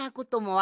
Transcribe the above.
あ！